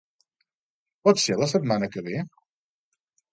Pot ser la setmana que ve?